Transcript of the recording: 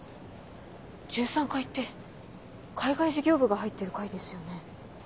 １３階って海外事業部が入ってる階ですよね？